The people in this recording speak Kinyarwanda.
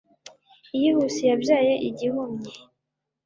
iyihuse yabyaye igihumye